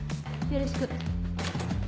よろしく。